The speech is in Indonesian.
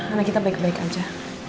karena kita baik baik aja